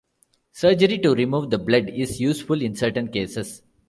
Surgery to remove the blood is useful in certain cases.